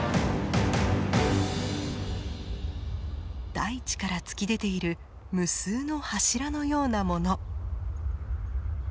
大地から突き出ている無数の柱のようなもの。